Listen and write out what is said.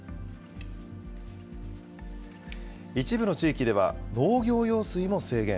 一部の地域では農業用水も制限。